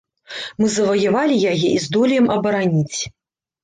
Мы заваявалі яе і здолеем абараніць.